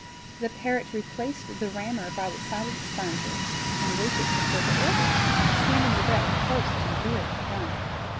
The parrot replaced the rammer by the side of the sponger, and waited for further orders, standing erect close to the rear of the gun.